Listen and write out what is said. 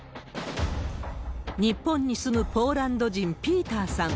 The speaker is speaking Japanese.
日本に住むポーランド人、ピーターさん。